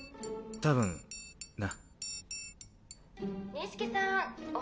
たぶんな。